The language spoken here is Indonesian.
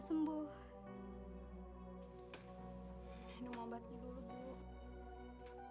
sampai jumpa di video selanjutnya